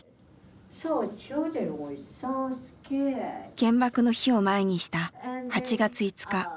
原爆の日を前にした８月５日。